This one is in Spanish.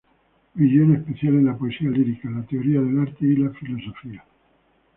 Brilló en especial en la poesía lírica, la teoría del arte y la filosofía.